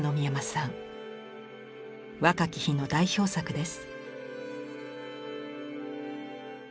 若き日の代表作です。